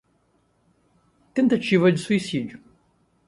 tentativa de suicídio